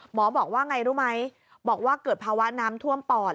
หมอบอกว่าไงรู้ไหมบอกว่าเกิดภาวะน้ำท่วมปอด